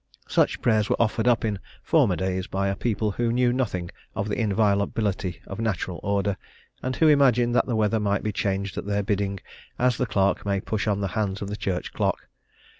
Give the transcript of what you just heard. Such prayers were offered up in former days by a people who knew nothing of the inviolability of natural order, and who imagined that the weather might be changed at their bidding as the clerk may push on the hands of the church clock.